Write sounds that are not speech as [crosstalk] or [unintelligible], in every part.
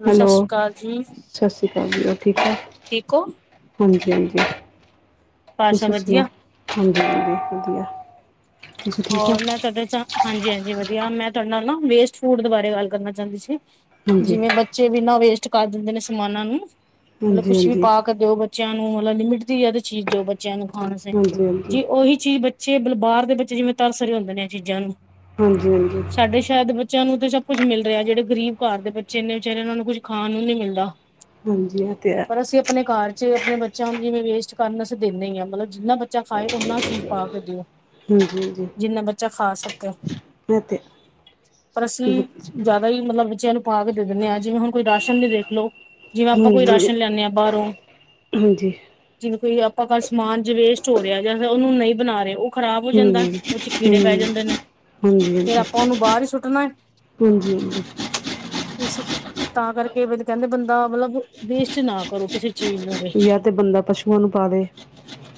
Hello ਸਤਿ ਸ਼੍ਰੀ ਅਕਾਲ ਜੀ ਸਤਿ ਸ਼੍ਰੀ ਕਾਲ ਜੀ ਉਹ ਠੀਕ ਹੈ। ਠੀਕ ਹੋ। ਹਾਂਜੀ-ਹਾਂਜੀ ਬਸ ਤੁਸੀ ਵਧੀਆ ਸੁਨਾਓ ਹਾਂਜੀ-ਹਾਂਜੀ ਵਧੀਆ। ਤੁਸੀਂ ਠੀਕ ਹੋ ਹੋਰ ਮੈਂ ਤੁਹਾਡੇ ਹਾਂਜੀ-ਹਾਂਜੀ ਵਧੀਆ ਮੈਂ ਤੁਹਾਡੇ ਨਾਲ ਨਾ ਵੇਸਟ ਫੂਡ ਬਾਰੇ ਗੱਲ ਕਰਨਾ ਚਾਹੁੰਦੀ ਸੀ। ਹਾਂਜੀ ਜਿਵੇਂ ਬੱਚੇ ਬਿਨਾਂ ਵੇਸਟ ਕਰ ਦਿੰਦੇ ਨੇ ਸਮਾਨਾਂ ਨੂੰ ਮਤਲਬ ਹਾਂਜੀ ਕੁਛ ਵੀ ਹਾਂਜੀ ਪਾ ਕੇ। ਦਿਓ ਬੱਚਿਆਂ ਨੂੰ ਮਤਲਬ ਲਿਮਿਟ ਦੀ ਯਾ ਚੀਜ਼ ਦਿਓ ਬੱਚਿਆਂ ਨੂੰ ਖਾਣ ਸ ਹਾਂਜੀ ਜੀ ਉਹੀ ਚੀਜ਼ ਬੱਚ। ਅਛੇ ਬਾਹਰ ਦੇ ਬੱਚੇ ਜਿਵੇਂ ਤਰਸ ਰ ਹੁੰਦੇ ਨੇ ਚੀਜ਼ਾਂ ਨੂੰ। ਹਾਂਜੀ-ਹਾਂਜੀ। ਸਾਡੇ ਸ਼ੈਰ ਦੇ ਬੱਚਿਆਂ ਨੂੰ ਤਾਂ ਸਭ ਕੁਛ ਮਿਲ ਰਿਹਾ ਜਿਹੜੇ ਗਰੀਬ ਘਰ ਦੇ ਬੱਚੇ ਨੇ ਵਿਚਾਰੇ ਉਹ ਨੂੰ ਕੁਝ ਖਾਨ ਨੂੰ ਨੀ ਮਿਲਦਾ। ਹਾਂਜੀ ਐ ਤੇ ਹ। ਪਰ ਅਸੀਂ ਆਪਣੇ ਘਰ ਚ ਆਪਣੇ ਬੱਚਿਆਂ ਨੂੰ ਜਿਵੇਂ ਵੇਸਟ ਕਰਨ ਅਸੀਂ ਦਿੰਦੇ ਹੀ ਹਾਂ ਮਤਲਬ ਜਿੰਨਾ ਬੱਚਾ ਖਾਏ ਉਨਾਂ ਚੀਜ਼ ਪਾ ਕੇ ਦਿਓ। ਹਾਂਜੀ ਜੀ ਜਿੰਨਾ ਬੱਚਾ ਖਾ ਸਕੇ ਪਰ ਅਸੀਂ ਬੱਚ ਜ਼ਆ। ਹੀ ਮਤਲਬ ਬੱਚਿਆਂ ਨੂੰ ਪਾ ਕੇ ਦੇ ਦਿੰਦੇ ਹਾਂ ਜਿਵੇਂ ਹੁਨ ਕੋਈ ਰਾਸ਼ਨ ਵੀ ਦੇਖ ਲਓ। ਜਿਵੇਂ ਆਪਾਂ ਕੋਈ ਰਾਸ਼ਨ ਹਾਂਜੀ ਲਿਆਨੇ ਆ ਬਾਹਰੋਂ। ਹਾਂਜੀ ਜਿਵੇਂ ਕੋਈ ਆਪਾਂ ਕੱਲ੍ਹ ਸਮਾਨ ਜ ਵੇਸਟ ਹੋ ਰਿਹਾ ਜਾਂ ਫਿਰ ਉਹਨੂੰ ਨਹੀਂ ਬਣਾ ਰਹੇ ਉਹ ਖਰਾਬ ਹੋ ਹਮ ਜਾਂਦਾ। ਉਹ ਚ ਹਮ ਕੀੜੇ ਪੈ ਜਾਂਦੇ ਨੇ ਹਾਂਜੀ ਹਾਂਜੀ ਫੇਰ ਆਪਾਂ ਉਹਨੂੰ ਬਾਹਰ ਹੀ ਸੁੱਟਨੈ। ਹਾਂਜੀ ਹਾਂਜੀ ਇਸ ਤਾਂ ਕਰਕੇ ਕਹਿੰਦੇ ਬੰਦਾ ਮਤਲਬ ਵੇਸਟ ਨਾ ਕਰੋ ਕਿਸੇ। ਚੀਜ਼ ਨੂੰ ਵੀ ਯਾ ਤੇ ਬੰਦਾ ਪਸ਼ੂਆਂ ਨੂੰ ਪਾ ਵੇ।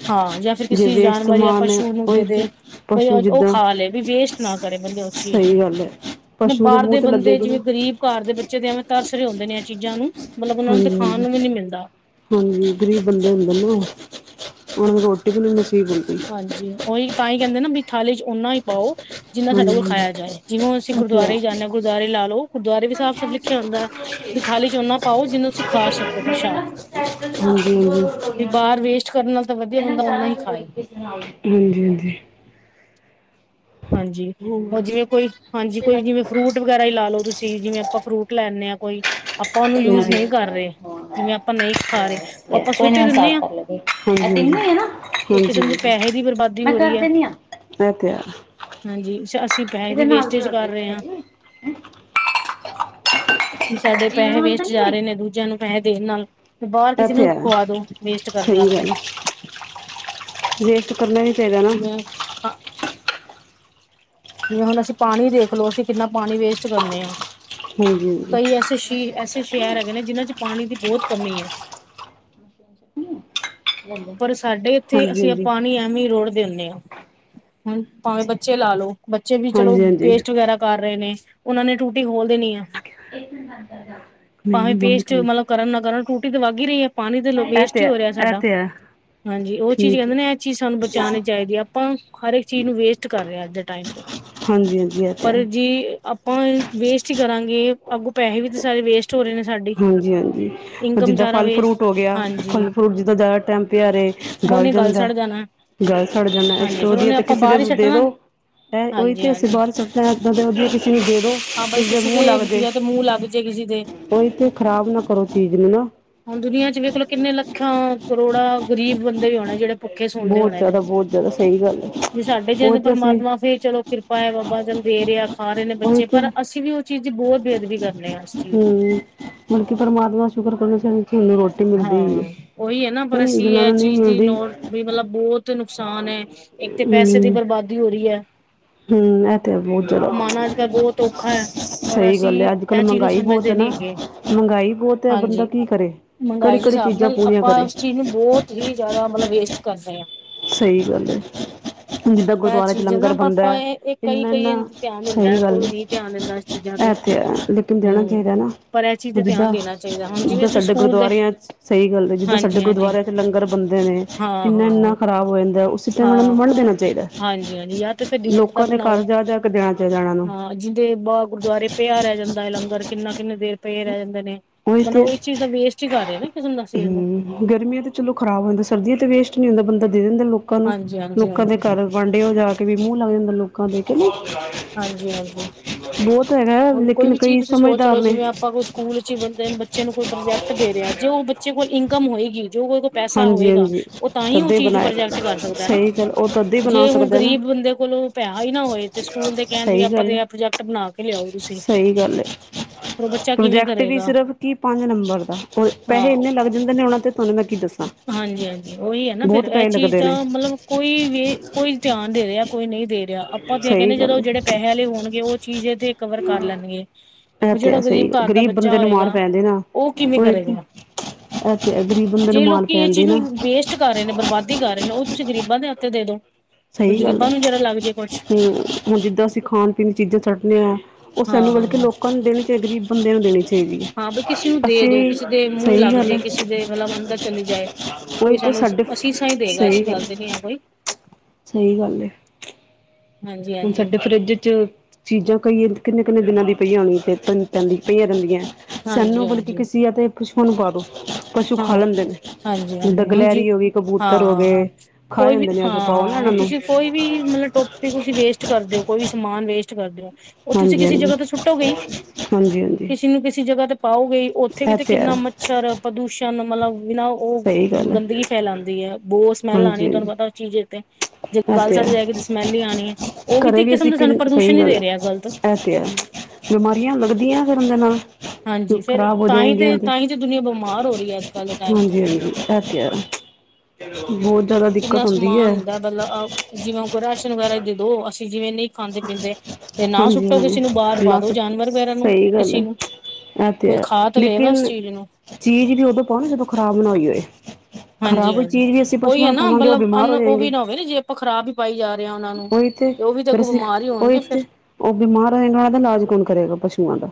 ਹਾਂ ਜਾਂ ਫਿਰ ਕਿਸੇ ਜਾਨਵਰ ਜਾਂ ਪਸ਼ੂ ਨੂੰ ਉਹੀ ਦੇ-ਦੇ। ਤੇ ਬ ਪਸ਼ੂ ਉਹ ਜਿੱਦਾਂ ਖਾ ਲਏ ਵੀ ਵੇਸਟ ਨਾ ਕਰੇ ਬੰਦੇ ਉਸ ਚੀਜ਼ ਸਹੀ ਗੱਲ ਹੈ ਨੂੰ ਪਸ਼ੂ ਬਾਹਰ ਮੂੰਹ ਦੇ ਤੇ ਬੰਦੇ ਲੱਗੇਗੀ ਨਾ ਜਿਵੇਂ ਗ਼ਰੀਬ ਘਰ ਦੇ ਬੱਚੇ ਦੇ ਐਵੇਂ ਤਰਸ ਰ ਹੂਂਦੇ ਨੇ ਇਹ ਚੀਜ਼ਾਂ ਨੂੰ ਮਤਲਬ ਉਹਨਾਂ ਨੂੰ ਹਾਂਜੀ ਖਾਣ ਹਾਂਜੀ ਨੂੰ ਵੀ ਨੀ ਮਿਲਦਾ। ਹਾਂਜੀ ਗ਼ਰੀਬ ਬੰਦੇ ਹੁੰਦੇ ਨਾ ਓਹ ਓਹਨਾਂ ਨੂੰ ਰੋਟੀ ਵੀ ਨਹੀਂ ਨਸੀਬ ਹੁੰਦੀ। ਹਾਂਜੀ ਉਹੀ ਤਾਂ ਹੀ ਕਹਿੰਦੇ ਨਾ ਵੀ ਥਾਲੀ ਚ ਓਨਾ ਹੀ ਪਾਓ। ਜਿੰਨਾ ਸਾਡੇ ਕੋਲ ਖਾਇਆ ਜਾ ਜਿਵੇਂ ਹਾਂਜੀ ਹੁਸੀ ਹਾਂਜੀ ਇਹ ਤੇ ਹੈ ਗੁਰਦਆਰੇ ਜਾ ਜਾਂਦੇ ਹ ਗੁਰਦਆਰੇ ਲਾ ਲਓ ਗੁਰਦੁਆਰੇ ਵੀ ਸਾਫ ਸਭ ਲਖਿਆ ਹੂੰਦੈ ਵੀ ਥਾਲੀ ਓਨਾ ਪਾਓ ਜਿਹਨੂੰ ਤੁਸੀਂ ਖਾ ਸਕੋ ਪ੍ਰਸ਼ਾਦ [unintelligible] ਹਾਂਜੀ ਹਾਂਜੀ ਵੀ ਬਾਹਰ ਵੇਸਟ ਕਰਨ ਨਾਲ ਤਾਂ ਵਧੀਆ ਬੰਦਾ ਓਨਾ ਹੀ ਖਾਏ ਹਾਂਜੀ ਹਾਂਜੀ ਹਾਂਜੀ ਹੋਰ ਉਹ ਜਿਵੇਂ ਕੋਈ ਹਾਂਜੀ ਕੋਈ ਜਿਵੇਂ ਫਰੂਟ ਵਗੈਰਾ ਹੀ ਲਾ ਲੋ ਤੁਸੀਂ ਜਿਵੇਂ ਆਪਾਂ ਫਰੂਟ ਲੈਂਣੇ ਹਾਂ ਕੋਈ ਆਪਾਂ ਉਹਨੂੰ ਯੂਜ ਹਾਂਜੀ ਨਹੀਂ ਕਰ ਰਹੇ ਜਿਵੇਂ ਆਪਾਂ ਨਹੀਂ ਖਾ ਰਹੇ ਉਹ ਆਪਾਂ ਸੁਟ ਈ ਦਿੰਦੇ ਹਾਂ। ਇੱਕ ਕਿਸਮ ਦੀ ਪੈਸੇ ਦੀ ਬਰਬਾਦੀ ਹੋ ਰਹੀ ਹੈ [unintelligible] ਹਾਂਜੀ ਅਸੀਂ ਪੈਹੇ ਦੀ ਵੇਸ਼ਟੇਜ ਕਰ ਰਹੇ ਹਾਂ। ਸਾਡੇ ਪੈਹੇ ਵੇਸਟ ਜਾ ਰਹੇ ਨੇ ਦੂਜਿਆਂ ਨੂੰ ਪੈਹੇ ਦੇਣ ਨਾਲ ਤੇ ਬਾਹਰ ਇਹ ਕਿਸੇ ਤੇ ਨੂੰ ਹੈ ਖਵਾ ਦੋ ਵੇਸਟ ਕਰਨ ਸਹੀ ਨਾਲ ਤੇ ਗੱਲ ਹੈ, ਵੇਸਟ ਕਰਨਾ ਹੀ ਚਾਹੀਦਾ ਨਾ। ਜਿਵੇਂ ਖਾ ਜਿਵੇਂ ਹੁਣ ਅਸੀਂ ਪਾਣੀ ਦੇਖ ਲੋ ਅਸੀਂ ਕਿੰਨਾ ਪਾਣੀ ਵੇਸਟ ਕਰਨੇ ਆਂ। ਹਾਂਜੀ ਕਈ ਐਸੇ ਸੀਰ ਐਸੇ ਸ਼ਹਿਰ ਹੈਗੇ ਨੇ ਜਿਹਨਾਂ 'ਚ ਪਾਣੀ ਦੀ ਬਹੁਤ ਕਮੀ ਐ। ਪਰ ਸਾਡੇ ਇੱਥੇ ਹਾਂਜੀ ਅਸੀਂ ਆ ਹਾਂਜੀ ਪਾਣੀ ਐਵੇ ਹੀ ਰੋੜ ਦੇਣੇ ਆਂ ਹੁਣ ਭਾਵੇਂ ਬੱਚੇ ਲਾ ਲਓ। ਬੱਚੇ ਵੀ ਚਲੋ ਹਾਂਜੀ ਹਾਂਜੀ ਪੇਸਟ ਵਗੈਰਾ ਕਰ ਰਹੇ ਨੇ ਉਹਨਾਂ ਨੇ ਟੂਟੀ ਖੋਲ ਦੇਣੀ ਆ। ਨਹੀਂ ਭਾਵੇਂ ਨਹੀਂ ਬੰਦ ਪੇਸਟ ਕਰਨੀ ਮਤਲਬ ਕਰਨ ਨਾ ਕਰਨ ਟੂਟੀ ਤੇ ਵੱਗ ਹੀ ਰਹੀ ਹੈ ਪਾਣੀ ਤੇ ਇਹ ਵੇਸਟ ਤੇ ਹੀ ਹੋ ਰਿਹਾ ਇਹ ਸਾਡਾ ਤੇ ਹੈ। ਹਾਂਜੀ ਉਹ ਚੀਜ਼ ਠੀਕ ਕਹਿੰਦੇ ਹੈ ਨੇ ਇਹ ਚੀਜ਼ ਸਾਨੂੰ ਬਚਾਂਣੀ ਚਾਹੀਦੀ ਆ ਆਪਾਂ ਹਰ ਇੱਕ ਚੀਜ਼ ਨੂੰ ਵੇਸਟ ਕਰ ਰਿਹਾ ਅੱਜ ਦੇ ਟਾਈਮ ਤੇ ਹਾਂਜੀ- ਹਾਂਜੀ ਤੇ ਹੈ ਪਰ ਜੀ ਆਪ ਆਪਾਂ ਵੇਸਟ ਹੀ ਕਰਾਂਗੇ ਅੱਗੋਂ ਪੈਹੇ ਵੀ ਤੇ ਸਾਰੇ ਵੇਸਟ [unintelligible] ਨੇ ਸਾਡੇ ਹਾਂਜੀ- ਹਾਂਜੀ ਜਿੱਦਾਂ ਫਲ ਫਰੂਟ ਹੋ ਗਿਆ ਹਾਂਜੀ ਫਲ ਫਰੂਟ ਜਿੱਦਾਂ ਜ਼ਿਆਦਾ ਟੈਮ ਪਿਆ ਰਹੇ। ਗਲ ਉਹਨੇ ਗੱਲ ਜਾਂਦਾ ਸੜ ਜਾਣਾ ਗਲ ਛੜ ਜਾਂਦਾ ਇਸ ਹਾਂਜੀ ਤੋਂ ਫੇਰ ਵਧੀਆ ਉਹਨੇ ਆਪਾਂ ਕਿਸੇ ਦੇ ਬਾਹਰ ਹੀ ਦੇ ਸੱਟਣਾ ਦੋ। ਉਹੀ ਹਾਂਜੀ ਤੇ ਅਸੀਂ ਹਾਂਜੀ ਬਾਹਰ ਸ ਹ ਇਾਂ ਉ ਕਿਸੇ ਨੀ ਦੇ ਦੋ ਹਾਂ ਬਾਈ ਕਿਸ ਦੇ ਕਿਸੇ ਮੂੰਹ ਲੱਗਦੇ। ਜਾਂ ਤੇ ਮੂੰਹ ਲੱਗ ਜੇ ਕਿਸੀ ਦੇ ਉਹੀ ਤੇ ਖ਼ਰਾਬ ਨਾ ਕਰੋ ਚੀਜ਼ ਨੂੰ ਨਾ ਹੁਣ ਦੁਨੀਆਂ 'ਚ ਵੇਖ ਲੋ ਕਿੰਨੇ ਲੱਖਾਂ ਕਰੋੜਾਂ ਗਰੀਬ ਬੰਦੇ ਵੀ ਹੁਣੇ ਜਿਹੜੇ ਭੁੱਖੇ ਸੌਦੇ ਬਹੁਤ ਹੋਣੇ ਨੇ ਜਿਆਦਾ- ਬਹੁਤ ਜਿਆਦਾ ਸਹੀ ਗੱਲ ਏ। ਜੇ ਸਾਡੇ ਜਿਹਦੇ ਪਰਮਾਤਮਾ ਫੇਰ ਚਲੋ ਕਿਰਪਾ ਹੈ ਬਾਬਾ ਚਲ ਦੇ ਰਿਹਾ ਆ ਖਾ ਰਹੇ ਨੇ ਉਹੀ ਬੱਚੇ ਤੇ ਪਰ ਅਸੀਂ ਵੀ ਉਹ ਚੀਜ਼ ਬਹੁਤ ਬੇਅਦਬੀ ਕਰ ਹੂੰ ਮਤਲਬ ਕੀ ਪਰਮਾਤਮਾ ਸ਼ੁਕਰ ਕਰੋ ਹੁੰਦੀ ਰੋਟੀ ਹਾਂ ਮਿਲਦੀ ਹੈ ਉਹੀ ਹੈ ਨਾ ਕਿ ਪਰ ਨਹੀਂ ਅਸੀਂ ਜਿਹਨਾਂ ਇਹ ਨੂੰ ਨਹੀਂ ਚੀਜ਼ ਦੀ ਮਿਲਦੀ ਨੋ ਵੀ ਮਤਲਬ ਬਹੁਤ ਨੁਕਸਾਨ ਹੈ। ਇੱਕ ਤੇ ਪੈਸੇ ਦੀ ਹਮ ਬਰਬਾਦੀ ਹੋ ਰਹੀ ਹੈ। ਹਮ ਇਹ ਤੇ ਬਹੁਤ ਜ਼ਿਆਦਾ ਕਮਾਉਣਾ ਅੱਜ ਕੱਲ੍ਹ ਬਹੁਤ ਔਖਾ ਹੈ। ਪਰ ਸਹੀ ਅਸੀਂ ਗੱਲ ਹੈ ਅੱਜ ਕੱਲ੍ਹ ਇਹ ਚੀਜ਼ ਨੂੰ ਮਹਿੰਗਾਈ ਬਹੁਤ ਸਮਝਦੇ ਹੈ ਨਹੀਂ ਨਾ ਹੈਗੇ ਮਹਿੰਗਾਈ ਬਹੁਤ ਹੈ ਬੰਦਾ ਹਾਂਜੀ। ਕੀ ਕਰੇ ਕਿਹੜੀ ਮਹਿੰਗਾਈ ਦੇ ਕਿਹੜੀ ਹਿਸਾਬ ਚੀਜ਼ਾਂ ਨਾਲ ਪੂਰੀਆਂ ਆਪਾਂ ਕਰੇ ਉਸ ਚੀਜ਼ ਨੂੰ ਬਹੁਤ ਹੀ ਜ਼ਿਆਦਾ ਮਤਲਬ ਵੇਸਟ ਕਰਦੇ ਆਂ। ਸਹੀ ਗੱਲ ਏ। ਜਿੱਦਾਂ ਇਹ ਗੁਰਦੁਆਰੇ 'ਚ ਚੀਜ਼ ਨਾ ਲੰਗਰ ਬਣਦਾ ਪਾਪਾ ਇਹ ਕਈ ਕਈ ਇੰਨਾ-ਇੰਨਾ ਧਿਆਨ ਦਿੰਦਾ ਸਹੀ ਗੱਲ ਕੋਈ ਏ। ਨਹੀਂ ਧਿਆਨ ਦਿੰਦਾ ਇਸ ਚੀਜ਼ਾਂ ਇਹ ਤੇ ਹੈ ਲੇਕਿਨ ਦੇਣਾ ਹੂੰ ਚਾਹੀਦਾ ਨਾ ਪਰ ਇਹ ਚੀਜ਼ ਤੇ ਧਿਆਨ ਜਿੱਦਾਂ ਦੇਣਾ ਚਾਹੀਦਾ ਹੁਣ ਜਿਵੇਂ ਤੇ ਤੁਸੀਂ ਸਾਡੇ ਗੁਰੂ ਸਕੂਲ ਦੇ ਗੁਰਦੁਆਰਿਆਂ ਸਹੀ ਗੱਲ ਜਿੱਦਾਂ ਸਾਡੇ ਹਾਂਜੀ ਹਾਂਜੀ ਗੁਰਦੁਆਰਿਆਂ 'ਚ ਲੰਗਰ ਬਣਦੇ ਨੇ ਹਾਂ ਇੰਨਾ ਹਾਂ ਇੰਨਾ ਹਾਂ ਖ਼ਰਾਬ ਹੋ ਜਾਂਦਾ ਉ ਸ ਤ ਇਹਨਾਂ ਹਾਂ ਨੂੰ ਵੰਡ ਦੇਣਾ ਚਾਹੀਦਾ ਹਾਂਜੀ ਹਾਂਜੀ ਜਾਂ ਤੇ ਫਿਰ ਲਿਮਿਟ ਦਾ ਲੋਕਾਂ ਦੇ ਘਰ ਬਣਾਓ ਜਾ- ਜਾ ਕੇ ਦੇਣਾ ਚਾਹੀਦਾ ਇਹਨਾਂ ਨੂੰ ਹਾਂ ਜਿਹਦੇ ਬਾਹ ਗੁਰਦੁਆਰੇ ਪਿਆ ਰਿਆ ਜਾਂਦਾ ਏ ਲੰਗਰ ਕਿੰਨਾ ਕਿੰਨੇ ਦੇਰ ਪਏ ਰਹਿ ਜਾਂਦੇ ਨੇ ਉਹੀ ਮਤਲਬ ਤੇ ਉਹ ਇਸ ਚੀਜ਼ ਦਾ ਵੇਸਟ ਹੀ ਕਰ ਰਹੇ ਨਾ ਕਿਸਮ ਦਾ ਸੀ ਉਹਨੂੰ ਹੂੰ ਗਰਮੀਆਂ ਤੇ ਚਲੋ ਖਰਾਬ ਹੋ ਜਾਂਦਾ ਸਰਦੀਆਂ ਤੇ ਵੇਸਟ ਨਹੀਂ ਹੁੰਦਾ ਬੰਦਾ ਦੇ ਦਿੰਦਾ ਲੋਕਾਂ ਨੂੰ ਹਾਂਜੀ ਹਾਂਜੀ ਲੋਕਾਂ ਦੇ ਹਾਂਜੀ ਘਰ ਵੰਡ ਓ ਜਾ ਕੇ ਵੀ ਮੂੰਹ ਲੱਗ ਜਾਂਦਾ ਲੋਕਾਂ ਦੇ ਕਹ [unintelligible] ਹਾਂਜੀ- ਹਾਂਜੀ ਬਹੁਤ ਹੈਗਾ। ਹੁਣ ਕੋਈ ਲੇਕਿਨ ਵੀ ਚੀਜ਼ ਕਈ ਤੁਸੀਂ ਸੋਚ ਸਮਝਦਾਰ ਲਓ ਨੇ ਜਿਵੇਂ ਆਂ। ਆਪਾਂ ਕੋਈ ਸਕੂਲ ਚ ਹੀ ਬੰਦੇ ਬੱਚੇ ਨੂੰ ਕੋਈ ਪ੍ਰੋਜੈਕਟ ਦੇ ਰਿਹਾ ਜੇ ਉਹ ਬੱਚੇ ਕੋਲ ਇਨਕਮ ਹੋਏਗੀ ਜੋ ਕੋਈ ਕੋਲ ਪੈਸਾ ਹਾਂਜੀ ਹੋਏਗਾ ਹਾਂਜੀ ਉਹ ਤਾਂ ਹੀ ਉਹ ਤਦੇ ਚੀਜ਼ ਨੂੰ ਬਣਾਇਆ ਪ੍ਰੋਜੈਕਟ ਕਰ ਸਕਦਾ ਨਾ ਸਹੀ ਗੱਲ ਉਹ ਤਦੇ ਹੀ ਬਣਾ ਜੇ ਹੁਣ ਸਕਦਾ ਨਾ ਗ਼ਰੀਬ ਬੰਦੇ ਕੋਲੋਂ ਪੈਸ ਹੀ ਨਾ ਹੋਏ ਤੇ ਸਕੂਲ ਦੇ ਕਹਿਣ ਵੀ ਸਹੀ ਆਪਾਂ ਗੱਲ ਹੈ ਤੇ ਆ ਪ੍ਰੋਜੈਕਟ ਬਣਾ ਕੇ ਲਿਆਓ ਤੁਸੀਂ। ਸਹੀ ਗੱਲ ਪਰ ਉਹ ਬੱਚਾ ਕਿਵੇਂ ਪ੍ਰੋਜੈਕਟ ਵੀ ਕਰੇਗਾ ਸਿਰਫ ਕੀ ਪੰਜ ਨੰਬਰ ਦਾ ਉਹ ਪੈਸੇ ਇੰਨੇ ਲੱਗਦੇ ਜਿੰਦੇ ਨੇ ਉਹਨਾਂ ਤੇ ਤੁਹਾਨੂੰ ਮੈਂ ਕੀ ਦੱਸਾਂ। ਹਾਂਜੀ -ਹਾਂਜੀ ਉਹੀ ਹੈ ਨਾ ਫੇਰ ਬਹੁਤ ਇਹ ਪੈਸੇ ਚੀਜ਼ ਲੱਗਦੇ ਦਾ ਨੇ ਮਤਲਬ ਕੋਈ ਵੀ ਕੋਈ ਧਿਆਨ ਦੇ ਰਿਹਾ ਕੋਈ ਨਹੀਂ ਦੇ ਰਿਹਾ ਆਪਾਂ ਤੇ ਸਹੀ ਕਹਿੰਦੇ ਜਦੋਂ ਗੱਲ ਹੈ ਜਿਹੜੇ ਪੈਸੇ ਲੇ ਹੋਣਗੇ ਉਹ ਚੀਜ਼ ਇਹਥ ਕਵਰ ਕਰ ਲੈਣਗੇ ਇਹ ਤੇ ਜਿਹੜਾ ਗਰੀਬ ਸਹੀ ਘਰ ਦਾ ਗ਼ਰੀਬ ਬੱਚਾ ਬੰਦੇ ਨੂੰ ਮਾਰ ਹੋਏਗਾ ਪੈਂਦੇ ਨਾ ਕਿਵੇਂ ਉਹ ਤੇ ਕਰੇਗਾ। ਅਥ ਗਰੀਬ ਬੰਦੇ ਨੂੰ ਜੇ ਮਾਲ ਲੋਕੀ ਇਹ ਚੀਜ਼ ਨੂੰ ਵੇਸਟ ਕਰ ਰਹੇ ਨੇ ਬਰਬਾਦੀ ਕਰ ਰਹੇ ਨੇ ਉਹ ਤੁਸੀਂ ਗਰੀਬਾਂ ਦੇ ਹੱਥ ਦੇ ਦੋ ਸਹੀ ਗੱਲ ਗਰੀਬਾਂ ਹੈ ਨੂੰ ਜਹੜ ਲੱ ਜਾਵੇ ਹਮ ਹੁਣ ਜਿੱਦਾਂ ਅਸੀਂ ਖਾਣ ਪੀਣ ਦੀ ਚੀਜ਼ਾਂ ਛੱਡਦੇ ਹਾਂ ਉਹ ਸਾਨੂੰ ਮਤਲਬ ਕੇ ਹਾਂ ਲੋਕ ਲੋਕਾਂ ਨੂੰ ਦੇਣੀ ਚਹੀ ਗਰੀਬ ਬੰਦੇ ਨੂੰ ਦੇਣੇ ਚ ਸਹੀ ਹੈ ਹਾਂ ਬਈ ਕਿਸੇ ਨੂੰ ਦੇ ਦੋ ਕਿਸੇ ਦੇ ਅਸੀਂ ਮੂੰਹ ਸਹੀ ਲੱਗ ਗੱਲ ਜੇ ਕਿਸੇ ਦੇ ਮਤਲਬ ਅੰਦਰ ਚਲੀ ਜਾਏ ਉਹੀ ਕੋਈ ਤੇ ਸਾਨੂੰ ਸਾਡੇ ਅਸੀਸਾਂ ਹੀ ਦੇਗਾ ਸਹੀ ਐਸੀ ਗੱਲ ਤੇ ਨੀ ਹੈ ਕੋਈ ਸਹੀ ਗੱਲ ਹਾਂਜੀ ਹੁਣ ਹਾਂਜੀ ਸਾਡੇ ਫਰਿੱਜ ਚ ਚੀਜ਼ਾਂ ਕਈ ਕਿੰਨੇ ਕਿੰਨ ਦਿਨਾਂ ਦੀਆਂ ਪਈਆਂ ਹੋਣੀ ਪੈਂਦੀ ਪਈਆਂ ਰਹਿੰਦੀਆਂ ਸੈਨੂੰ ਹਾਂਜੀ ਬਲਕਿ ਹਾਂਜੀ ਕਿਸਸੀ ਆ ਤੇ ਪਸ਼ੂਆਂ ਨੂੰ ਪਾ ਦੋ ਪਸ਼ੂ ਹਾਂ ਖਾ ਲੈਂਦੇ ਨੇ ਹਾਂਜੀ ਜਿੱਦਾਂ ਹਾਂਜੀ ਹਾਂਜੀ ਗਲਹਿਰੀ ਹੋ ਗਈ ਕਬੂਤਰ ਹੋ ਹਾਂ ਗਏ ਖਾ ਕੋਈ ਵੀ ਜਾਂਦੇ ਨੇ ਹਾਂ ਹਾਂ ਪਾਓਨਾਨਾਂੈਨ ਨੂੰ ਤੁਸੀਂ ਕੋਈ ਵੀ ਮਤਲਬ ਟੋਪੀ ਤੁਸੀਂ ਵੇਸਟ ਕਰਦੇ ਹੋ ਕੋਈ ਵੀ ਸਮਾਨ ਵੇਸਟ ਕਰਦੇਓ ਉਹ ਤੁਸੀਂ ਹਾਂਜੀ ਕਿਸੇ ਹਾਂਜੀ ਜਗ੍ਹਾ ਤੇ ਸੁੱਟੋਗੇਈ ਹਾਂਜੀ ਹਾਂਜੀ ਕਿਸੇ ਨੂੰ ਕਿਸੇ ਜਗ੍ਹਾ ਤੇ ਪਾਓਗੇਈ ਉੱਥੇ ਵੀ ਇਹ ਤੇ ਹੈ ਕਿੰਨਾ ਮੱਛਰ ਪ੍ਰਦੂਸ਼ਣ ਮਤਲਬ ਬਿਨਾਂ ਉਹ ਸਹੀ ਗੱਲ ਹੈ ਗੰਦਗੀ ਫੈਲਾਉਂਦੀ ਹੈ ਬਹੁਤ ਸਮੈਲ ਆਉਣੀ ਹਾਂਜੀ ਹੈ ਹਾਂਜੀ ਤੁਹਾਨੂੰ ਪਤਾ ਚੀਜ਼ ਤੇ ਜੇ ਇਹ ਗੱਲ ਤੇ ਸਾਡੇ ਹੈ ਜਾਏ ਕੇ ਸਮੈਲੀ ਹੀ ਆਉਣੀ ਹੈ ਉਹ ਵੀ ਤੇ ਘਰੇ ਇੱਕ ਕਿਸਮ ਅਸੀਂ ਦਾ ਕਿ ਸਾਨੂੰ ਪ੍ਰਦੂਸ਼ਣ ਸਹੀ ਨੀ ਗੱਲ ਦੇ ਹੈ ਰਿਹਾ ਗਲਤ ਇਹ ਤੇ ਬਿਮਾਰੀਆਂ ਲੱਗਦੀਆਂ ਕਰਨਰਮ ਦੇ ਨਾਲ ਹਾਂਜੀ ਫੇਿਰ ਖ਼ਰਾਬ ਹੋ ਤਾਂਹੀ ਤੇ ਜਾਏਗੀਆਂ ਤਹੀ ਤੇ ਦੁਨੀਆਂ ਬਿਮਾਰ ਹੋ ਰਹੀ ਹੈ ਅੱਜ ਕੱਲ੍ਹ ਦੇ ਟਾਈਮ ਤੋਂ ਹਾਂਜੀ ਬਹੁਤ ਜਿਆਦਾ ਦਿੱਕਤ ਹੁੰਦੀ ਹੈ ਗਤਲ ਜਿਵੇਂ ਕੋਈ ਰਾਸ਼ਨ ਵਗੈਰਾ ਦੇ ਦੋ ਅਸੀਂ ਜਿਵੇਂ ਨਹੀਂ ਖਾਂਦੇ ਪੀਂਦੇ ਤੇ ਨਾ ਹਾਂਜੀ ਸੁੱਟੋ ਕਿਸੇ ਨੂੰ ਬਾਹਰ ਹਾਂਜੀ ਪਾ ਦੋ ਜਾਨਵਰ ਵਗੈਰਾ ਨੂੰ ਕਿਸੇ ਨੂੰ ਅ ਤੇ ਕੋਈ ਖਾ ਲਏਗਾ ਇਸ ਲੇਕਿਨ ਚੀਜ਼ ਨੂੰ ਚੀਜ਼ ਵੀ ਉਦੋਂ ਪਾਉਣਾ ਜਦੋਂ ਖ਼ਰਾਬ ਨਾ ਹੋਈ ਹੋਏ ਖਰਾਬਈ ਹਾਂਜੀ-ਹਾਂਜੀ ਚੀਜ਼ ਵੀ ਅਸੀਂ ਉਹੀ ਪਸੂਆਂ ਹੈ ਨੂੰ ਨਾ ਪਾਵਾਂਗੇ ਉਹ ਮਤਲਬ ਬਿਮਾਰ ਅਨ ਹੋ ਉਹ ਜਾਏਗੇ ਵੀ ਨਾ ਹੋਵੇ ਨ ਜੇ ਆਪਾਂ ਖਰਾਬ ਹੀ ਪਾਈ ਜਾਵੇ ਉਹੀ ਤੇੇ ਫਿਰ ਅਸੀਂ ਹੋਣਗੇ ਉਹਥ ਫਿਰ ਉਹ ਬਿਮਾਰ ਹੋਏਗਾ ਉਹਨਾਂ ਦਾ ਇਲਾਜ ਕੌਣ ਕਰੇਗਾ ਪਸੂਆਂ ਦਾ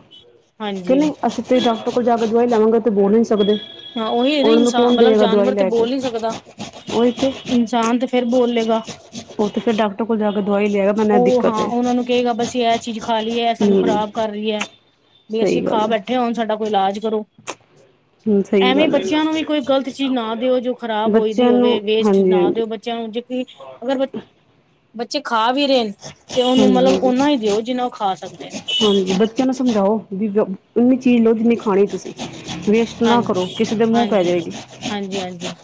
ਹਾਂਜੀ ਨਹੀਂ ਅਸੀਂ ਤੁਸੀਂ ਡਾਕਟਰ ਕੋਲ ਜਾ ਕੇ ਦਵਾਈ ਲਵਾਂਗੇ ਤੇ ਬੋਲ ਨ ਨਹੀਂੀ ਸਕਦੇ ਹਾਂ ਉਹੀ ਨਾ ਉਹਨਾਂ ਨੂੰ ਇਨਸਾਨ ਕੌਣ ਮਤਲਬ ਦੇਵੇਗਾ ਦਵਾਈ ਜਾਨਵਰ ਤੇ ਲੈ ਕੇ ਬੋਲ ਨ ਸਕਦਾ ਉਹੀ ਤੇ ਇਨਸਾਨ ਤੇ ਫੇਿਰ ਬੋਲੇਗਾ ਉਹ ਤੇ ਫਿਰ ਡਾਕਟਰ ਕੋਲ ਜਾ ਕੇ ਦਵਾਈ ਲਿਆਏਗਾ ਮੈਨੂੰ ਇਹ ਉਹ ਦਿੱਕਤ ਹਾਂ ਹੈ ਉਹਨਾਂ ਨੂੰ ਕਹੇਗਾ ਬਸੀਂ ਇਹ ਚੀਜ਼ ਖਾ ਲਈਏ ਇਹ ਸਾਨੂੰ ਹਮ ਖ਼ਰਾਬ ਕਰ ਰਹੀ ਹੈ ਵੀ ਅਸੀਂ ਸਹੀ ਗੱਲ ਖਾ ਹੈ ਬੈਠੇ ਹੋਣ ਸਾਡਾ ਕੋਈ ਇਲਾਜ ਕਰੋ ਹਮ ਸਹੀ ਐਵੇਂ ਗੱਲ ਹੈ ਬੱਚਿਆਂ ਨੂੰ ਵੀ ਕੋਈ ਗ਼ਲਤ ਚੀਜ਼ ਨਾ ਦਿਓ, ਜੋ ਖਰਾਬ ਹੋਈ ਦੀ ਬੱਚਿਆਂ ਨੂੰ ਹੋਵੇ ਵੇਸਟ ਹਾਂਜੀ ਨਾ ਹਾਂਜੀ ਦਿਓ। ਚੀਜਾ ਜੇ ਕੋਈ ਅਗਰ, ਬੱਚੇ ਖਾ ਵੀ ਰਹੇ ਨੇ ਤੇ ਉਹਨੂੰ ਹਾਂਜੀ ਮਤਲਬ ਹਾਂਜੀ ਨਾ ਹੀ ਦਿਓ ਜਿੰਨਾ ਉਹ ਖਾ ਸਕਦੇ ਨੇ, ਹਾਂਜੀ ਬੱਚਿਆਂ ਨੂੰ ਸਮਝਾਓ, ਵੀ ਉਨੀ ਚੀਜ਼ ਲੋਓ ਜਿੰਨੀ ਖਾਣੀ ਤੁਸੀਂ ਵੀ ਨਾ ਕਰੋ ਕਿਸੇ ਦੇ ਮੂੰਹ ਪੈ ਜਾਵੇਗੀ। ਹਾਂਜੀ-ਹਾਂਜੀ,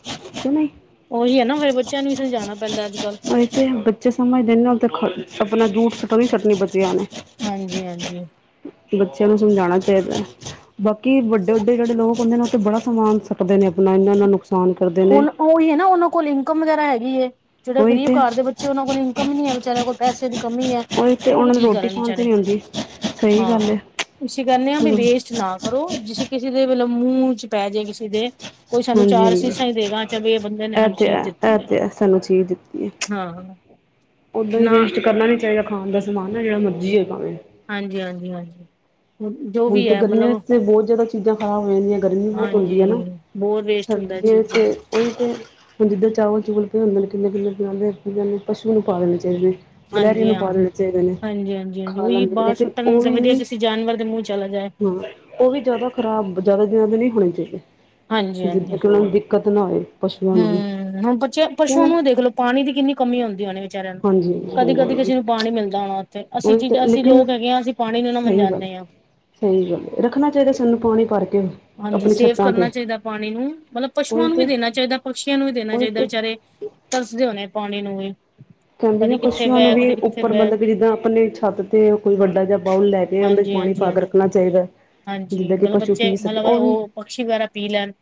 ਉਹੀ ਹੈ ਨਾ ਫੇਰ ਬੱਚਿਆਂ ਨੂੰ ਹੀ ਸਮਝਾਣਾ ਪੈਂਦਾ ਅੱਜ-ਕੱਲ, ਥ ਬੱਚੇ ਸਮਝਦੇ ਨੇ ਤਾਂ ਆਪਣਾ ਜੂਠ ਸੁਟਣੀ ਸੁਟਣੀ ਬੱਚੀ ਨੇ ਹਾਂਜੀ-ਹਾਂਜੀ, ਬੱਚਿਆਂ ਨੂੰ ਸਮਝਾਉਣਾ ਚਾਹੀਦਾ। ਬਾਕੀ ਵੱਡੇ-ਵੱਡੇ ਜਿਹੜੇ ਲੋਕ ਹੁੰਦੇ ਨੇ, ਉੱਥੇ ਬੜਾ ਸਮਾਨ ਸਕਟਦੇ ਨੇ ਆਪਣਾ ਇੰਨਾ-ਇੰਨਾ ਨੁਕਸਾਨ ਕਰਦੇ ਨੇ, ਹੁਣ ਉਹੀ ਹੈ ਨਾ, ਉਹਨਾਂ ਕੋਲ ਇਨਕਮ ਵਗੈਰਾ ਹੈਗੀ ਐ। ਜਿਹੜੇ ਉਹੀ ਗਰੀਬ ਤੇ ਘਰ ਦੇ ਬੱਚੇ ਉਹਨਾਂ ਕੋਲ ਇਨਕਮ ਹੀ ਨੀ ਹੈ ਵਿਚੇਾਰਿਆਂ ਕੋਲ ਪੈਸੇ ਦੀ ਕਮੀ ਹੈ। ਉਹੀ ਤੇ ਉਹ ਉਹਨਾ ਵੀ ਨੂੰ ਕੀ ਰੋਟੀ ਕਰਨ ਖਾਣ ਤੇ ਵਿਚਾਰੇ ਨੀ ਆਦੀ। ਹਾਂ ਅਸੀ ਕਹਿੰਨੇ ਆਂ, ਬਈ ਹਾਂਜੀ ਵੇਸਟ ਨਾ ਪਰ ਔ, ਜਿਸਂ ਕਿਸੇ ਦੇ ਵਤਲਬ ਮੂੰਹ ਚ ਪੈ ਜੇ ਕਿਸੇ ਦੇ ਕੋਈ ਸਾਨੂੰ ਚਾਰ ਅਸੀਸ ਐ ਤੇ ਹੈ, ਐ ਤੇ ਹੈ, ਸਾਨੂੰ ਚੀਜ਼ ਦਿੱਤੀ ਏ। ਹਾਂ ਓਦਾਂ ਵੀ ਨਾ ਵੇਸਟ ਕਰਨਾ ਨੀ ਚਾਹੀਦਾ, ਖਾਣ ਦਾ ਸਮਾਨ ਨਾ, ਜਿਹੜਾ ਮਰਜੀ ਹੋ ਭਾਵੇਂ। ਹਾਂਜੀ-ਹਾਂਜੀ-ਹਾਂਜੀ, ਹੁਣ ਤੇ ਗਰਮੀਆਂ ਵਿਚ ਤੇ ਬਹੁਤ ਜ਼ਿਆਦਾ, ਚੀਜ਼ਾਂ ਖ਼ਰਾਬ ਹੋ ਜਾਂਦੀਆਂ, ਗਰਮੀ ਬਹੁਤ ਹਾਂਜੀ ਹੁੰਦੀ ਹੈ ਨਾ, ਬਹੁਤ ਵੇਸਟ ਹੁੰਦਾ ਸਰਦੀਆਂ ਚੀਜ਼ ਚ ਉਹੀ ਤੇ, ਹੁਣ ਜਿੱਦਾਂ ਚਾਵਲ ਚੋਵਲ ਪਦੇ ਨੇ ਕਿੰਨੇ-ਕਿੰਨੇ ਦਿਨਾਂ ਦੇ, ਪਸ਼ੂ ਨੂੰ ਪਾ ਦੇਣੇ ਚਾਹੀਦੇ। ਗਿਲਹੈਰੀ ਹਾਂਜੀ ਨੂੰ ਪਾ ਹਾਂ। ਦੇਣੇ ਚਾਹੀਦੇ ਨੇ, ਹਾਂਜੀ ਹਾਂਜੀ ਹਾਂਜੀ ਖਾ ਉਹੀ ਲੈਂਦੇ ਨੇ, ਬਾਹਰ ਲੇਕਿਨ ਸੁੱਟਣ ਨੂੰ ਉਹ ਤੇ ਵੀ ਵਧੀਆ ਨਹੀ ਕਿਸੇ ਜਾਨਵਰ ਦੇ ਮੂੰਹ ਚ ਚਲਾ ਜਾਏ। ਹਾਂ ਉਹ ਵੀ ਜਿਆਦਾ ਖ਼ਰਾਬ, ਜਿਆਦਾ ਦਿਨਾਂ ਦੇ ਨਹੀਂ ਹੋਣੇ ਚਾਹੀਦੇ, ਹਾਂਜੀ ਜਿੱਦਾਂ ਹਾਂਜੀ ਕਿ ਉਹਨਾਂ ਕਦੇ ਨਾ ਹੋਏ। ਪਸ਼ੂਆਂ ਨੂੰ ਵੀ ਹੂੰ, ਹੁਣ ਬੱਚੇ ਕਿ ਪਸੂਆਂ ਨਹੀਂ ਨੂੰ ਦੇਖਲੋ, ਪਾਣੀ ਦੀ ਕਿੰਨੀ ਕਮੀ ਆਦੀ ਉਹਦੀਆ। ਵਿਚਾਰਿਆਂ ਨੂੰ, ਹਾਂਜੀ ਹਾਂਜੀ ਹਾਂਜੀ ਕਦੇ-ਕਦੇ ਹਾਂਜੀ ਕਿਸੇ ਨੂੰ ਪਾਣੀ ਮਿਲਦਾ ਹੋਣਾ। ਤੇ ਅਸੀਂ ਉਹੀ ਜੀ, ਤਾਂ ਅਸੀਂ ਲੇਕਿਨ ਲੋਕ ਹੈਗੇ ਹਾਂ, ਅਸੀਂ ਪਾਣੀ ਨੂੰ ਨਾ ਸਹੀ ਗੱਲ ਵੰਜਾਂਦੇ ਆਂ। ਸਹੀ ਗੱਲ, ਰੱਖਣਾ ਚਾਹੀਦਾ, ਸਾਨੂੰ ਪਾਣੀ ਭਰ ਕੇ। ਹਾਂਜੀ ਆਪਣੀ ਸੇਵ ਛੱਤਾਂ ਕਰਨਾ ਤੇ ਚਾਹੀਦਾ ਪਾਣੀ ਨੂੰ, ਮਤਲਬ ਪਸੂਆਂ ਉਹੀ ਨੂੰ ਵੀ ਤੇ ਦੇਣਾ ਚਾਹੀਦਾ, ਪਕਸ਼ੀਆਂ ਨੂੰ ਵੀ ਦੇਣਾ ਉਹੀ ਚਾਹੀਦਾ ਤੇ ਵਿਚਾਰੇ। ਤਰਸਦੇ ਹੋਣੇ ਪਾਣੀ ਨੂੰ ਵੀ, ਕਹਿੰਦੇ ਨੇ, ਕਦੇ ਕਿੱਥੇ ਪਸ਼ੂਆਂ ਨੂੰ ਬਹਿ ਕਦੇ ਵੀ ਕਿੱਥੇ ਉੱਪਰ ਬਹਿ ਮਤਲਬ ਕਿ ਜਿੱਦਾਂ ਆਪਣੇ ਛੱਤ ਤੇ, ਕੋਈ ਵੱਡਾ ਜਾਂ ਬਾਊਲ ਲੈ ਕੇ, ਉਹਦੇ ਚ ਹਾਂਜੀ ਪਾਣੀ ਹਾਂਜੀ ਪਾ ਕੇ। ਹਾਂਜੀ। ਰਖਣਾ ਚਾਹੀਦਾ। ਹਾਂਜੀ, ਜਿੱਦਾਂ ਕਿ ਮਤਲਬ ਪਸ਼ੂ ਬੱਚੇ ਪੀ ਸਕੇ ਮਤਲਬ ਉਹ ਪਕਸ਼ੀ ਵਗੈਰਾ ਪੀ ਲੈਣ।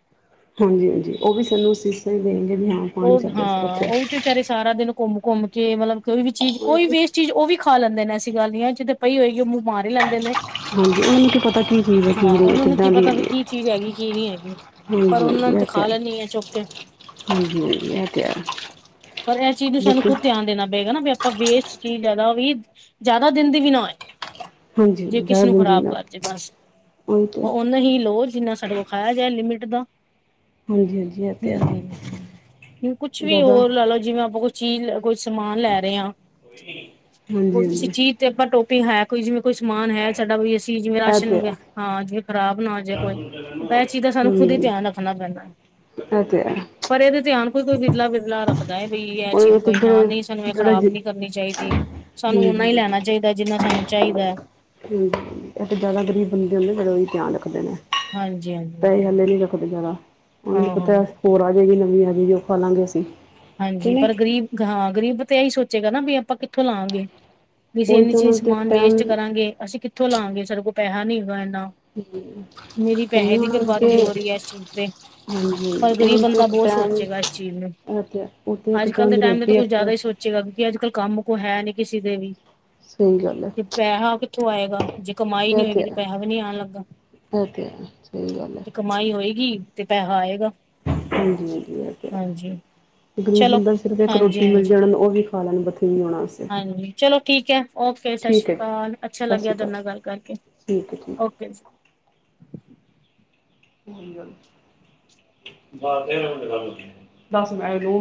ਹਾਂਜੀ-ਹਾਂਜੀ, ਉਹ ਵੀ ਸਾਨੂੰ ਅਸੀਂਸਾਂ ਹੀ ਦੇਣਗੇ, ਵੀ ਹਾਂ। ਪਾਣੀ ਉਹ ਸਾਡੇ ਅਸਤੇ ਹਾਂ ਰੱਖਿਆ ਉਹ ਵੀ ਤੇ ਵਿਚਾਰੇ ਸਾਰਾ ਦਿਨ ਘੁੰਮ-ਘੁੰਮ ਕੇ, ਮਤਲਬ ਕੋਈ ਵੀ ਚੀਜ਼ ਉਹੀ ਕੋਈ ਤੇ ਵੀ ਇਸ ਚੀਜ਼ ਉਹ ਵੀ। ਖਾ ਲੈਂਦੇ ਨੇ ਐਸੀ ਗੱਲ ਨੀ ਐ, ਜਿੱਥੇ ਪਈ ਹੋਏਗੀ, ਉਹ ਮੂੰਹ ਮਾਰ ਹੀ ਲੈਂਦੇ ਨੇ ਹਾਂਜੀ ਉਹਨਾਂ ਨੂੰ ਕੀ ਪਤਾ ਕੀ ਚੀਜ਼ ਹੈ ਕੀ ਹਾਂ, ਨਹੀਂ ਉਹਨਾਂ ਨੂੰ ਕੀ ਕਿੱਦਾਂ ਦੀ ਪਤਾ, ਵੀ ਹੈਗੀ ਕੀ ਹੈ ਚੀਜ਼ ਹੈਗੀ, ਕੀ ਨਹੀਂ ਹੈਗੀ। ਪਰ ਹਾਂਜੀ ਉਹਨਾਂ ਹਾਂਜੀ ਨੇ ਇਹ ਤੇ ਖਾ ਹੈ ਲੈਣੀ ਐ, ਚੁੱਕ ਕੇ, ਹਾਂਜੀ ਹਾਂਜੀ, ਐ ਇਹ ਤੇ, ਪਰ ਇਹ ਚੀਜ਼ ਨੂੰ ਸਾਨੂੰ ਲੇਕਿਨ ਖੁੱਦ ਧਿਆਨ ਦੇਣਾ ਪਏਗਾ, ਨਾ ਵੀ ਆਪਾਂ ਵੇਸਟ ਚੀਜ਼ ਜ਼ਿਆਦਾ ਵੀ, ਜ਼ਿਆਦਾ ਦਿਨ ਦੀ ਵੀ ਨਾ ਹੋਏ। ਹਾਂਜੀ ਜੇ ਜ਼ਿਆਦਾ ਕਿਸੇ ਨੂੰ ਗੰਦਗੀ ਖ਼ਰਾਬ ਨਾ ਕਰ ਜੇ ਬਸ, ਉਹੀ ਤੇ ਔ ਨਾ ਹੀ ਲੋ, ਜਿੰਨਾ ਸਾਡੇ ਕੋਲ, ਖਾਇਆ ਜਾ ਲਿਮਿਟ ਦਾ ਹਾਂਜੀ-ਹਾਂਜੀ ਇਹ ਤੇ ਹੈ। ਕੁੱਛ ਵੀ ਜ਼ਿਆਦਾ ਹੋਰ ਲਾ ਲੋ, ਜਿਵੇਂ ਆਪਾਂ ਕੁਛ ਚੀਜ਼ ਕੋਈ ਸਮਾਨ ਲੈ ਰਹੇ ਹਾਂ, ਹਾਂਜੀ ਹੁਣ ਕਿਸੀ ਹਾਂਜੀ ਚੀਜ਼ ਤੇ ਆਪਾਂ ਟੋਪੀ ਹੈ। ਕੋਈ ਜਿਵੇਂ ਕੋਈ ਸਮਾਨ ਹੈ, ਸਾਡਾ ਵੀ ਸੀ, ਜਿਵੇਂ ਇਹ ਰਾਸ਼ਨ ਤੇ ਹੋ ਹੈ। ਗਯਾ, ਹਾਂ ਜਿਵੇਂ ਖ਼ਰਾਬ ਨਾ ਹੋ ਜਾਏ ਕੋਈ, ਪਰ ਇਹ ਚੀਜ਼ ਦਾ ਸਾਨੂੰ ਖੁਦ ਹੀ ਧਿਆਨ ਰੱਖਣਾ ਪੈਂਦਾ। ਐ ਤੇ ਹੈ। ਪਰ ਇਹਦੇ ਧਿਆਨ ਕੋਈ ਕੋਈ ਵਿਦਲਾ ਵਿਦਲਾ ਰੱਖਦਾ ਹੈ, ਬਈ ਇਹ ਚੀਜ਼, ਉਹੀ ਤੇ ਬਈ ਹਾਂ, ਜਿਹੜੇ ਨਹੀਂ ਸਾਨੂੰ ਇਹ ਜਿਹੜਾ ਜ ਖ਼ਰਾਬ ਨੀ ਕਰਨੀ ਚਾਹੀਦੀ। ਸਾਨੂੰ ਓਨਾ ਹਾਂਜੀ ਹਾਂਜੀ ਹੀ ਲੈਣਾ ਚਾਹੀਦਾ, ਜਿੰਨਾ ਸਾਨੂੰ ਚਾਹੀਦਾ। ਹੂ, ਇੱਕ ਜਿਆਦਾ ਗ਼ਰੀਬ ਬੰਦੇ ਹੁੰਦੇ ਓਹਨਾਂ ਦਾ ਧਿਆਨ ਰੱਖਦੇ ਨੇ, ਹਾਂਜੀ ਹਾਂਜੀ ਪੈਸੇ ਆਲੇ ਨੀ ਰੱਖ ਤ ਜ਼ਿਆਦਾ, ਉਹਨਾਂ ਨੂੰ ਆਹੋ ਪਤਾ ਹੋਰ ਆ ਜਾਏਗੀ ਨਵੀਂ ਆ ਆਜੇਗੀ ਆਪਾ ਲਾਂਗੇ ਸੀਂ। ਹਾਂਜੀ, ਪਰ ਗਰੀਬ ਹਾਂ ਗ਼ਰੀਬ ਤਾਂ ਇਹੀ ਸੋਚੇਗਾ ਨਾ, ਵੀ ਆਪਾਂ ਕਿੱਥੋਂ ਲਾਂਗੇ। ਵੀ ਅਸੀਂ ਉਹੀ ਇੰਨੀ ਤਾਂ ਚੀਜ਼ ਉਹਨਾਂ ਤੇ ਇੱਕ ਸਮਾਨ ਵੇਸਟ ਟਾਈਮ ਕਰਾਂਗੇ, ਅਸੀਂ ਕਿੱਥੋਂ ਲਾਂਗੇ, ਸਾਡੇ ਕੋਲ ਪੈਸਾ ਨੀ ਹੈਗਾ ਇੰਨਾ। ਨੀਰੀ ਕਹਿੰਦੀ ਪੈਸੇ ਦੀ ਉਹਨਾਂ ਨੂੰ ਕਿ ਬਰਬਾਦੀ ਹੋ ਰਹੀ ਹੈ, ਇਸ ਚੀਜ਼ ਤੇ। ਹਾਂਜੀ ਪਰ ਉਹਨਾਂ ਗ਼ਰੀਬ ਨੂੰ ਤੇ ਬੰਦਾ ਇੱਕ ਬਹੁਤ ਟਾਈਮ ਸੋਚੇਗਾ ਇਸ ਚੀਜ਼ ਨੂੰ। ਉਹ ਤੇ ਹੈ। ਅੱਜ-ਕੱਲ ਦੇ ਟਾਈਮ ਦਾ ਤਾਂ ਕੁਝ ਜ਼ਿਆਦਾ ਹੀ ਸੋਚੇਗਾ, ਕਿਉਂਕਿ ਅੱਜ-ਕੱਲ ਕੰਮ ਕੋਈ ਹੈ ਨੀ, ਕਿਸੇ ਦੇ ਵੀ। ਸਹੀ ਗੱਲ ਐ। ਤੇ ਪੈਹਾ ਕਿੱਥੋ ਆਏਗਾ? ਜੇ ਕਮਾਈ ਨੀ ਇਹ ਹੋਏਗੀ, ਤੇ ਹੈ ਪੈਹਾ ਵੀ ਨੀ ਆਣ ਲੱਗਾ। ਇਹ ਤੇ ਹੈ ਸਹੀ ਗੱਲ ਹੈ ਕਮਾਈ ਹੋਏਗੀ ਤੇ ਪੈਹਾ ਆਏਗਾ। ਹਾਂਜੀ-ਹਾਜੀ, ਐ ਤੇ ਹੈ। ਹਾਂਜੀ ਗ਼ਰੀਬ ਚਲੋ ਬੰਦਾ ਸਿਰਫ ਇੱਕ ਹਾਂਜੀ ਰੋਟੀ ਮਿਲ ਹਾਂਜੀ। ਜਾਣ, ਉਹ ਵੀ ਖਾ ਲੈਣ ਬਥੇਰੀ ਵੀ ਹੋਣ ਵਾਸਤੇ। ਹਾਂਜੀ ਚਲੋ ਠੀਕ ਹੈ ਓਕੇ, ਸਤਿ ਸ਼੍ਰੀ ਅਕਾਲ। ਅੱਛਾ ਲੱਗਿਆ ਤੁਹਾਡੇ ਨਾਲ ਗੱਲ ਕਰਕੇ। ਠੀਕ ਹੈ, ਠੀਕ। ਓਕੇ ਜੀ। [unintelligible]